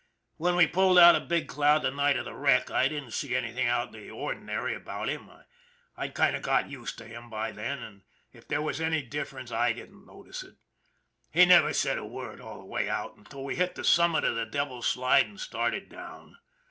When we pulled out of Big Cloud the night of the wreck I didn't see anything out of the ordinary about him, I'd kind of got used to him by then and if there was any difference I didn't notice it. He never said a word all the way out until we hit the summit of the Devil's Slide and started down.